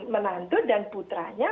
menantu dan putranya